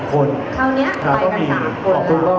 คราวนี้ไปกัน๓คน